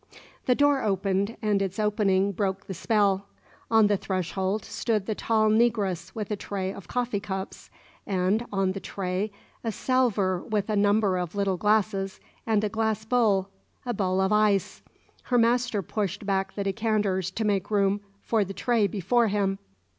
The door opened, and its opening broke the spell. On the threshold stood the tall negress with a tray of coffee cups, and on the tray a salver with a number of little glasses and a glass bowl a bowl of ice. Her master pushed back the decanters to make room for the tray before him.